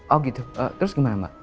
oh gitu terus gimana mbak